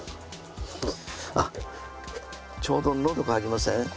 あっちょうどのど渇きません？